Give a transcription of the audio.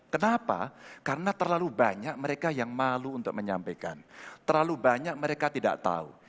kenapa karena terlalu banyak mereka yang malu untuk menyampaikan terlalu banyak mereka tidak tahu